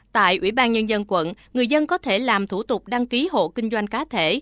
tại ủy ban nhân dân quận người dân có thể làm thủ tục đăng ký hộ kinh doanh cá thể